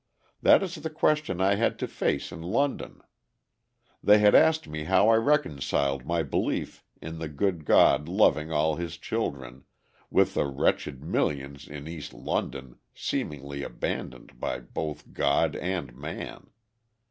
That is the question I had to face in London. They had asked me how I reconciled my belief in the good God loving all His children, with the wretched millions in East London, seemingly abandoned by both God and man.